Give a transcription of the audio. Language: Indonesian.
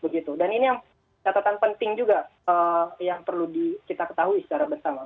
begitu dan ini yang catatan penting juga yang perlu kita ketahui secara bersama